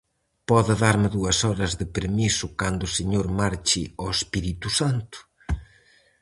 Pode darme dúas horas de permiso cando o señor marche ao Espírito Santo?